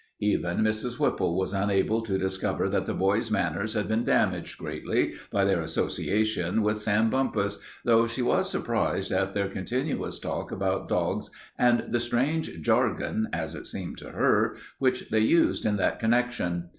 Even Mrs. Whipple was unable to discover that the boys' manners had been damaged greatly by their association with Sam Bumpus, though she was surprised at their continuous talk about dogs and the strange jargon, as it seemed to her, which they used in that connection.